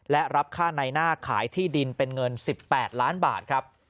และรับในหน้าขายที่ดินเป็น๑๘ล้านบาท